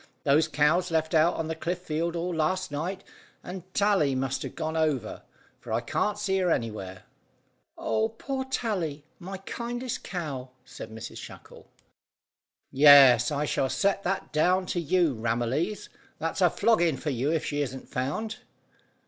Those cows left out on the cliff field all last night, and Tally must have gone over, for I can't see her anywhere." "Oh, poor Tally! My kindest cow," cried Mrs Shackle. "Yes, I shall set that down to you Ramillies. That's a flogging for you if she isn't found."